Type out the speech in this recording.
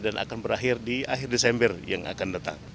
dan akan berakhir di akhir desember yang akan datang